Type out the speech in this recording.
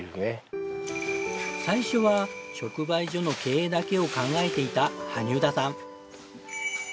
最初は直売所の経営だけを考えていた羽生田さん。